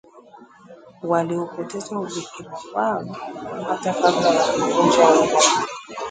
walioupoteza ubikra wao hata kabla ya kuvunja ungo